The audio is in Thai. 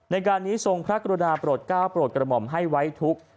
ในการนี้ทรงพระกรุณาโปรดก้าวโปรดกระหม่อมให้ไว้ทุกข์